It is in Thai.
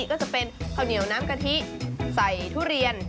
ก็จะเป็นข้าวเหนียวน้ำกะทิใส่ทุเรียน